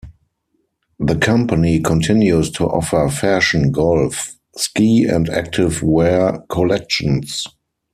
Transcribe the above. The company continues to offer Fashion, Golf, Ski and Active Wear collections.